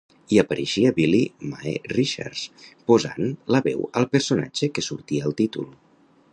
Hi apareixia Billie Mae Richards posant la veu al personatge que sortia al títol.